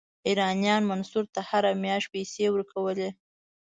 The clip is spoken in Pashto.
ایرانیانو منصور ته هره میاشت پیسې ورکولې.